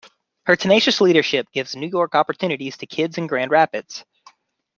Her tenacious leadership gives New York opportunities to kids in Grand Rapids.